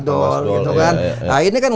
dol nah ini kan